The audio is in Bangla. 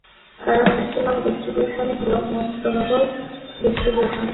কারণ, ম্যাক্সিমাম ডিস্ট্রিবিউশনই হলো মোস্ট প্রবাবল ডিস্ট্রিবিউশন।